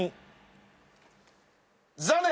残念！